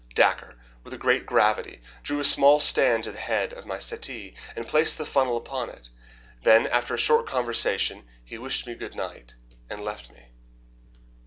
Dacre, with great gravity, drew a small stand to the head of my settee, and placed the funnel upon it. Then, after a short conversation, he wished me good night and left me.